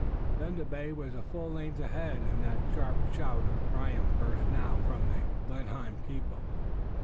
Then the bay was a full length ahead and that sharp shout of triumph burst now from the Blenheim people.